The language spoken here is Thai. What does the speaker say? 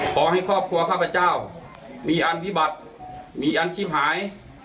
ขอให้ครอบครัวข้าพเจ้ามีอันพิบัติมีอันชีพหาย